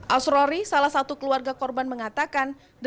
asrori salah satu keluarga korban mengatakan